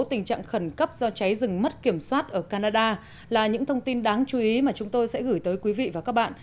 tình trạng khẩn cấp do cháy rừng mất kiểm soát ở canada là những thông tin đáng chú ý mà chúng tôi sẽ gửi tới quý vị và các bạn